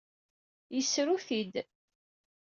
Yessru-t-id.